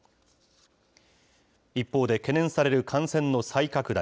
一方で、懸念される感染の再拡大。